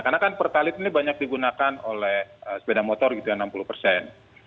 karena kan perkalit ini banyak digunakan oleh sepeda motor gitu ya enam puluh persen